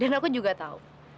dan aku juga tahu